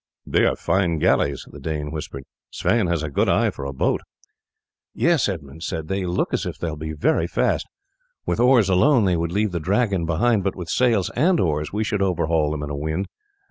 "They are fine galleys," the Dane whispered. "Sweyn has a good eye for a boat." "Yes," Edmund said, "they look as if they will be very fast. With oars alone they would leave the Dragon behind, but with sails and oars we should overhaul them in a wind.